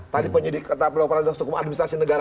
tadi penyidik kata perapradana suku administrasi negara